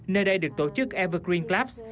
nơi đây được tổ chức evergreen clubs